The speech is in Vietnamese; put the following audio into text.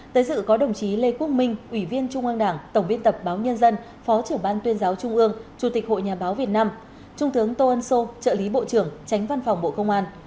tới dự có đồng chí lê quốc minh ủy viên trung ương đảng tổng biên tập báo nhân dân phó trưởng ban tuyên giáo trung ương chủ tịch hội nhà báo việt nam trung tướng tô ân sô trợ lý bộ trưởng tránh văn phòng bộ công an